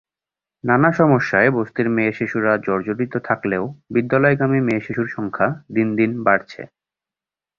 নানা সমস্যায় বস্তির মেয়েশিশুরা জর্জরিত থাকলেও বিদ্যালয়গামী মেয়েশিশুর সংখ্যা দিন দিন বাড়ছে।